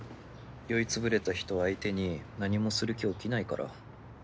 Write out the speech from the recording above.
酔いつぶれた人相手に何もする気起きないから。